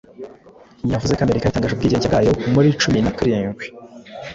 Yavuze ko Amerika yatangaje ubwigenge bwayo muri cumin a karindwi.